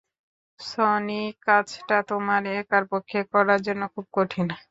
Sonic, কাজটা তোমার একার পক্ষে করার জন্য খুব কঠিন।